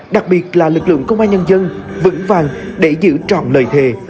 đặc biệt là lực lượng công an nhân dân vững vàng để giữ trọn lời thề